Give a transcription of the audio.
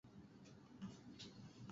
Blank)